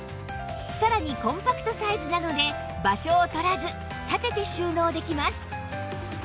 さらにコンパクトサイズなので場所を取らず立てて収納できます